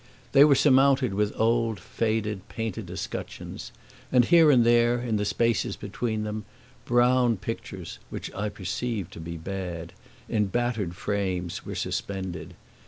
They were surmounted with old faded painted escutcheons, and here and there, in the spaces between them, brown pictures, which I perceived to be bad, in battered frames, were suspended.